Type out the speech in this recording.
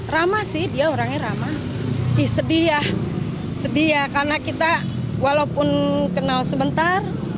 ramah sih dia orangnya ramah sedih ya sedih ya karena kita walaupun kenal sebentar